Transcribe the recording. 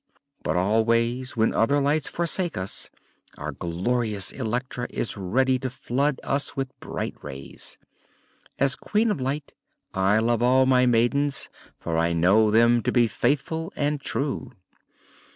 But always, when other lights forsake us, our glorious Electra is ready to flood us with bright rays. As Queen of Light, I love all my maidens, for I know them to be faithful and true."